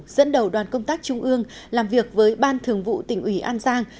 dẫn đầu đoàn công tác trung ương làm việc với ban thường vụ tỉnh ủy an giang